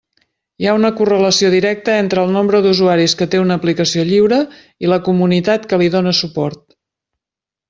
Hi ha una correlació directa entre el nombre d'usuaris que té una aplicació lliure i la comunitat que li dóna suport.